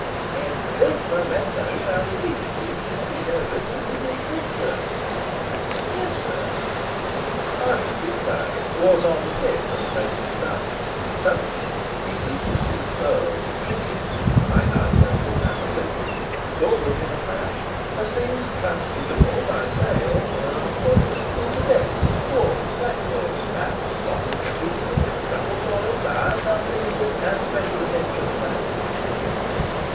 "And that memento shall immediately be handed over to his executors." "Yes, sir." "I should think so!" was on the tip of Noaks' tongue, but suddenly he ceased to see the pearls as trinkets finite and inapposite saw them, in a flash, as things transmutable by sale hereafter into desks, forms, black boards, maps, lockers, cubicles, gravel soil, diet unlimited, and special attention to backward pupils.